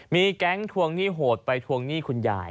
มีแก๊งทวงหนี้โหดไปทวงหนี้คุณยาย